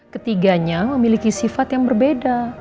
ketiganya memiliki sifat yang berbeda